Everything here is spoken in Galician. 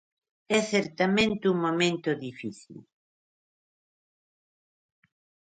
É certamente un momento difícil.